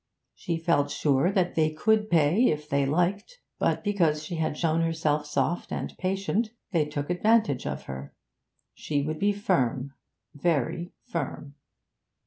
She felt sure that they could pay if they liked; but because she had shown herself soft and patient, they took advantage of her. She would be firm, very firm.